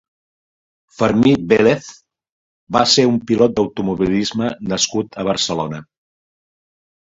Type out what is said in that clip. Fermí Vélez va ser un pilot d'automobilisme nascut a Barcelona.